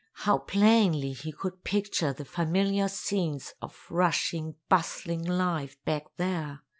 How plainly he could picture the familiar scenes of rushing, bustling life back there!